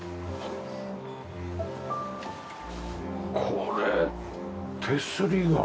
これ手すりが。